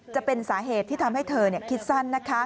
จะเป็นสาเหตุที่ทำให้เธอคิดสั้น